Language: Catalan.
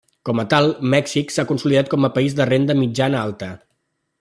Com a tal, Mèxic s'ha consolidat com a país de renda mitjana-alta.